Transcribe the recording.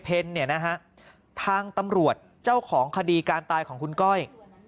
เพลเนี้ยนะฮะทางตำรวจเจ้าของคดีการตายของคุณก้อย